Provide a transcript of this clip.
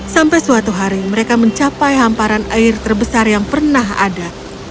sampai suatu hari mereka mencapai hamparan air terbesar yang pernah ada